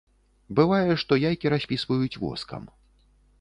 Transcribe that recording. Бывае, што яйкі распісваюць воскам.